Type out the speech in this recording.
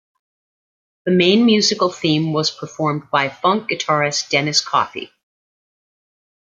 The main musical theme was performed by funk guitarist Dennis Coffey.